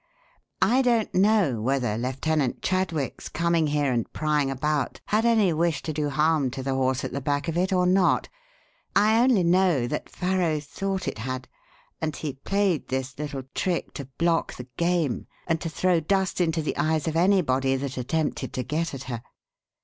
I don't know whether Lieutenant Chadwick's coming here and prying about had any wish to do harm to the horse at the back of it or not. I only know that Farrow thought it had, and he played this little trick to block the game and to throw dust into the eyes of anybody that attempted to get at her.